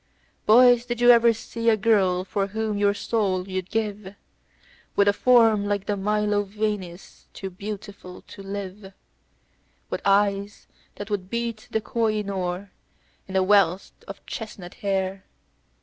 "Boys, did you ever see a girl for whom your soul you'd give, With a form like the Milo Venus, too beautiful to live; With eyes that would beat the Koh i noor, and a wealth of chestnut hair?